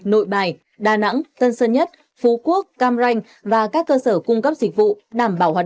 nội bài đà nẵng tân sơn nhất phú quốc cam ranh và các cơ sở cung cấp dịch vụ đảm bảo hoạt